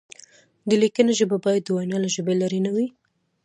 د لیکنې ژبه باید د وینا له ژبې لرې نه وي.